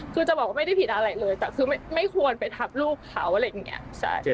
คือจะบอกว่าไม่ได้ผิดอะไรเลยแต่คือไม่ควรไปทับลูกเขาอะไรอย่างนี้